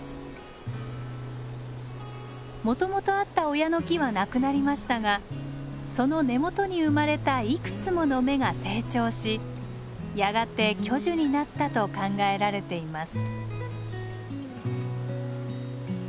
もともとあった親の木はなくなりましたがその根元に生まれたいくつもの芽が成長しやがて巨樹になったと考えられています。